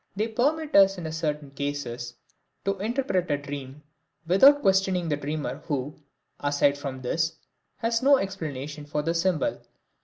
They permit us in certain cases to interpret a dream without questioning the dreamer who, aside from this, has no explanation for the symbol.